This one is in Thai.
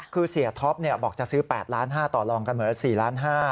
คือเสียท็อปบอกจะซื้อ๘ล้าน๕ต่อลองกันเหมือน๔ล้าน๕